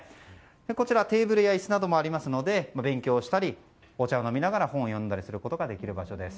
こちらテーブルや椅子などもありますので勉強をしたりお茶を飲みながら本を読んだりできる場所です。